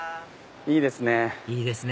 いいですね。